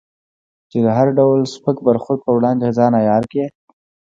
چې د هر ډول سپک برخورد پر وړاندې ځان عیار کړې.